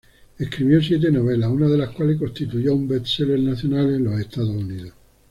Escribió siete novelas, una de las cuales constituyó un bestseller nacional en Estados Unidos.